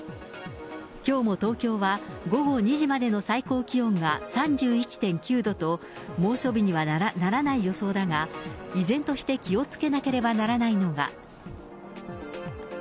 きょうも東京は、午後２時までの最高気温が３１．９度と、猛暑日にはならない予想だが、依然として気をつけなければならないのが。